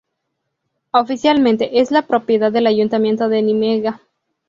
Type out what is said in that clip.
Oficialmente es la propiedad del Ayuntamiento de Nimega.